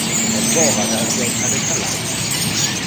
Han svarade att jag hade talang.